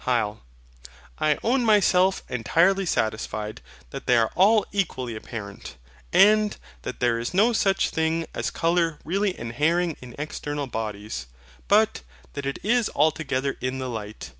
HYL. I own myself entirely satisfied, that they are all equally apparent, and that there is no such thing as colour really inhering in external bodies, but that it is altogether in the light.